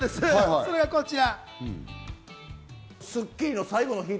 それがこちら。